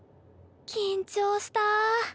緊張した。